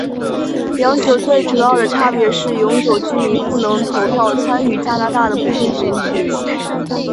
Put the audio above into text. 两者最主要的差别是永久居民不能投票参与加拿大的部分选举。